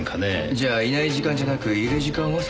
じゃあいない時間じゃなくいる時間を探っていた？